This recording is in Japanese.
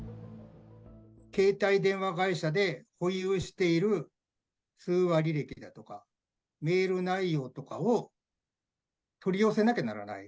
携帯電話会社で保有している通話履歴だとか、メール内容とかを取り寄せなきゃならない。